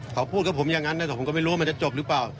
เขาพูดกับผมอย่างนั้นนะแต่ผมก็ไม่รู้ว่ามันจะจบหรือเปล่า